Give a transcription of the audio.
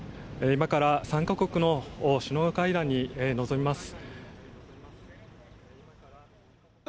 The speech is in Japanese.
今から３か国の首脳会談に臨みます。